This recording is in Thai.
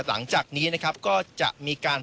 หลังจากนี้ก็จะมีการ